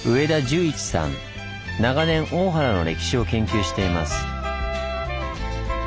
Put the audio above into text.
長年大原の歴史を研究しています。